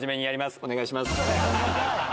お願いします。